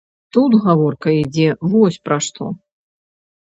Тут гаворка ідзе вось пра што.